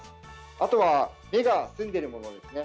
あとは目が澄んでいるものですね。